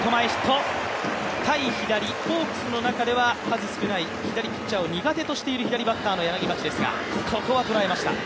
ホークスの中では数少ない左ピッチャーを苦手としている左バッターの柳町ですが、ここは捉えました。